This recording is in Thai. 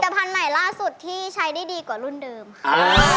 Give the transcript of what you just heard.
แต่ภัณฑ์ไหนล่าสุดที่ใช้ได้ดีกว่ารุ่นเดิมค่ะ